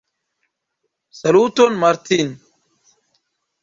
Saluton Martin!